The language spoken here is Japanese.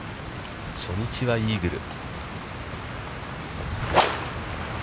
初日はイーグル。